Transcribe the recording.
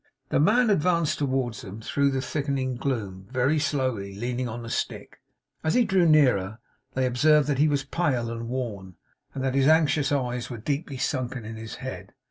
The man advanced toward them through the thickening gloom, very slowly; leaning on a stick. As he drew nearer, they observed that he was pale and worn, and that his anxious eyes were deeply sunken in his head.